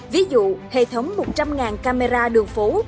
ví dụ hệ thống một trăm linh camera đường phố